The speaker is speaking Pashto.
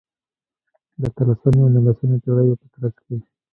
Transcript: د اتلسمې او نولسمې پېړیو په ترڅ کې.